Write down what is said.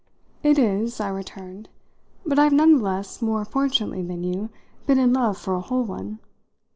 "It is," I returned. "But I've none the less, more fortunately than you, been in love for a whole one."